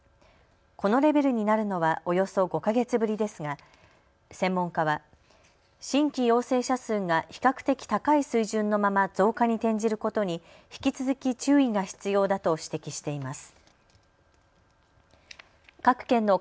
このレベルになるのはおよそ５か月ぶりですが専門家は新規陽性者数が比較的高い水準のまま増加に転じることに引き続き注意が必要だと指摘しています。